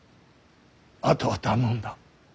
あとは頼んだ。